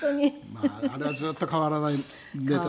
まああれはずっと変わらないネタだね。